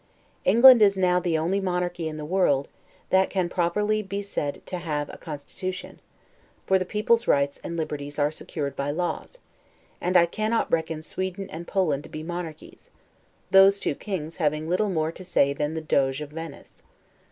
England is now, the only monarchy in the world, that can properly be said to have a constitution; for the people's rights and liberties are secured by laws; and I cannot reckon Sweden and Poland to be monarchies, those two kings having little more to say than the Doge of Venice.